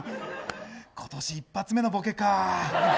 今年一発目のボケか。